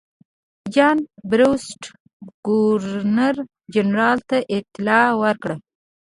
جان بریسټو ګورنر جنرال ته اطلاع ورکړه.